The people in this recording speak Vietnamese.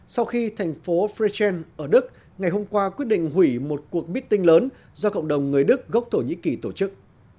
sau khi thành phố freixen ở đức ngày hôm qua quyết định hủy một cuộc bí tinh lớn do cộng đồng người đức gốc thổ nhĩ kỳ tổ chức